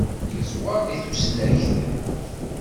Yeẓwer deg tusnakt.